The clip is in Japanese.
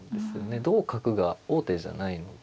同角が王手じゃないので。